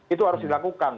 itu harus dilakukan